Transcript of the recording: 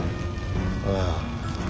ああ。